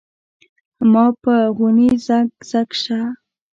پۀ ما غونے زګ زګ شۀ ـ